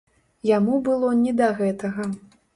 Яму было не да гэтага.